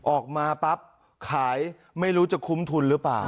ออกมาปั๊บขายไม่รู้จะคุ้มทุนหรือเปล่า